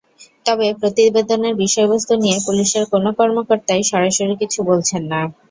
তবে প্রতিবেদনের বিষয়বস্তু নিয়ে পুলিশের কোনো কর্মকর্তাই সরাসরি কিছু বলছেন না।